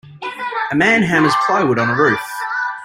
A man hammers plywood on a roof.